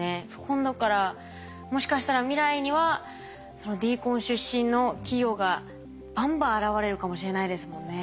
今度からもしかしたら未来にはＤＣＯＮ出身の企業がバンバン現れるかもしれないですもんね。